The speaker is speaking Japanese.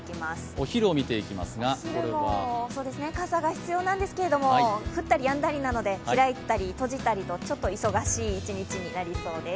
お昼も傘が必要なんですけれども、降ったりやんだりなので、開いたり閉じたりとちょっと忙しい一日になります。